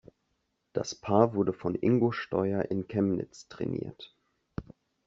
Das Paar wurde von Ingo Steuer in Chemnitz trainiert.